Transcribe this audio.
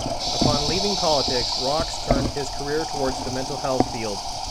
Upon leaving politics Rocks turned his career towards the mental health field.